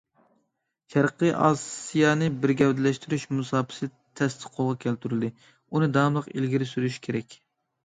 شەرقىي ئاسىيانى بىر گەۋدىلەشتۈرۈش مۇساپىسى تەستە قولغا كەلتۈرۈلدى، ئۇنى داۋاملىق ئىلگىرى سۈرۈش كېرەك.